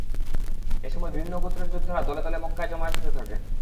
এ সময় বিভিন্ন গোত্রের যোদ্ধারা দলে দলে মক্কায় জমায়েত হতে থাকে।